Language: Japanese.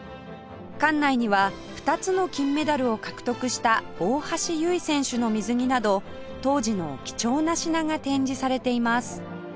館内には２つの金メダルを獲得した大橋悠依選手の水着など当時の貴重な品が展示されています